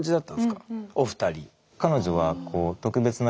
お二人。